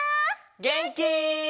げんき？